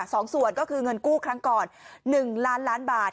สองส่วนก็คือเงินกู้ครั้งก่อน๑ล้านล้านบาท